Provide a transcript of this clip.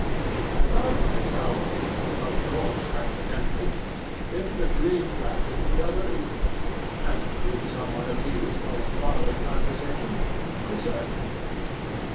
I found myself (of course, accidentally) in the Green Dragon the other evening, and, being somewhat amused by the following conversation, preserved it.